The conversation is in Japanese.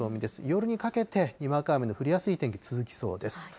夜にかけて、にわか雨の降りやすい天気続きそうです。